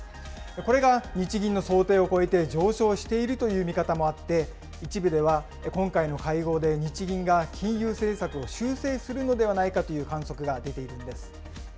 これが日銀の想定を超えて上昇しているという見方もあって、一部では今回の会合で日銀が金融政策を修正するのではないかという観測が出ているんです。